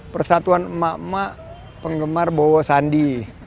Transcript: persatuan emak emak penggemar bowo sandi